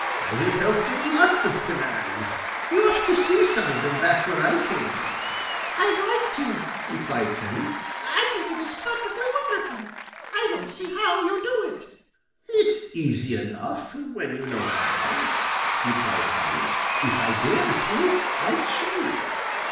"I have helped dig lots of canals. You ought to see some of them back where I came from." "I'd like to," replied Sammy. "I think it is perfectly wonderful. I don't see how you do it." "It's easy enough when you know how," replied Paddy. "If I dared to, I'd show you."